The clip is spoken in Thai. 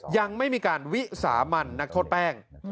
ยังไม่มีการวิสามันนักโทษแป้ง